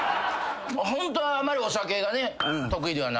ホントはあまりお酒がね得意ではない。